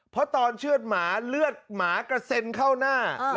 เพราะตอนเชื่อดหมาเลือดหมากระเซ็นเข้าหน้า